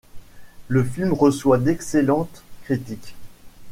Le film reçoit d'excellentes critiques.